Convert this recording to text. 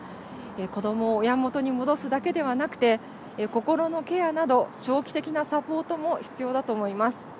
子どもを親元に戻すだけではなくて心のケアなど長期的なサポートも必要だと思います。